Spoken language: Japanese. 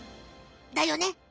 だよね？